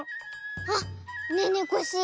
あっねえねえコッシー